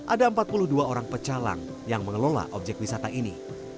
ada empat puluh dua orang pecalang yang mengelola objek wisata ini